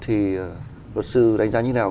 thì luật sư đánh giá như thế nào